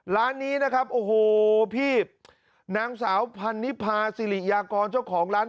ร้านนี้นะครับโอ้โหพี่นางสาวพันนิพาสิริยากรเจ้าของร้าน